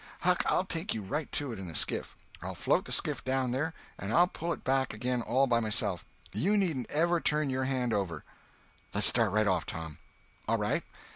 Huck, I'll take you right to it in a skiff. I'll float the skiff down there, and I'll pull it back again all by myself. You needn't ever turn your hand over." "Less start right off, Tom." "All right.